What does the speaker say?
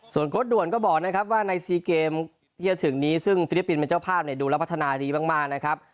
ส่วนโค้ดด่วนก็บอกนะครับว่าในซีเกมที่จะถึงนี้ซึ่งฟิลิปปินส์เป็นเจ้าภาพเนี่ยดูแล้วพัฒนาดีมากนะครับ